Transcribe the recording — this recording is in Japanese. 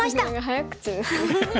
早口ですね。